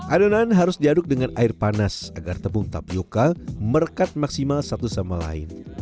adonan harus diaduk dengan air panas agar tepung tapioca merekat maksimal satu sama lain